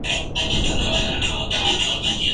María Coronel y Arana nació en la calle de las Agustinas.